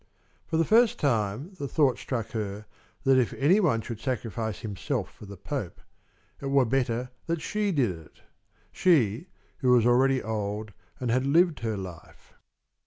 For the first time the thought struck her that if any one should sacrifice himself for the Pope, it were better that she did it she, who was already old and had lived her life.